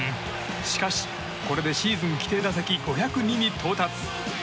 しかし、これでシーズン規定打席５０２に到達。